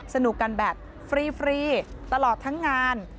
สนุกกันแบบฟรีตลอดทั้งงาน